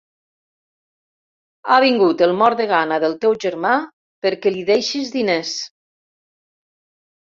Ha vingut el mort de gana del teu germà, perquè li deixis diners.